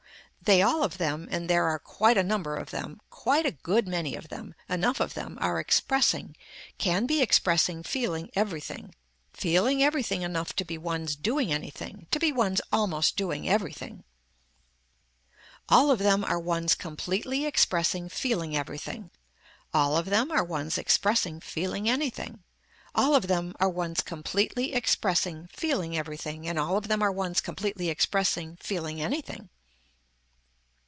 They all of them and there are quite a number of them, quite a good many of them, enough of them, are expressing, can be expressing feeling everything, feeling everything enough to be ones doing anything, to be ones almost doing everything. All of them are ones completely expressing feeling everything. All of them are ones expressing feeling anything. All of them are ones completely expressing feeling everything and all of them are ones completely expressing feeling anything.